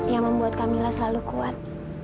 yang membuat kamila selalu kuat